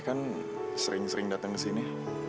kan sering sering datang kesini